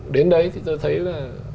đến đấy thì tôi thấy là